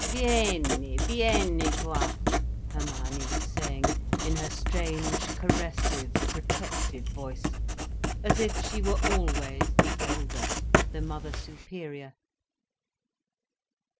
"Vieni—vieni quá," Hermione was saying, in her strange caressive, protective voice, as if she were always the elder, the mother superior.